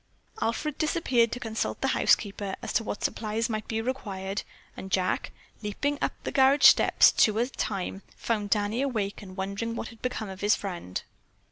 Alfred disappeared to consult the housekeeper as to what supplies might be required, and Jack, leaping up the garage stairs two steps at a time, found Danny awake and wondering what had become of his friend.